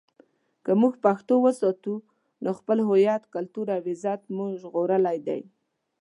که موږ پښتو وساتو، نو خپل هویت، کلتور او عزت مو ژغورلی دی.